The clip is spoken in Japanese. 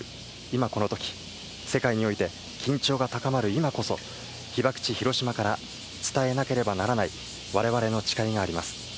今このとき、世界において緊張が高まる今こそ、被爆地、広島から伝えなければならない、われわれの誓いがあります。